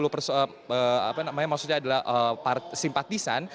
tiga ratus enam puluh perso apa namanya maksudnya adalah simpatisan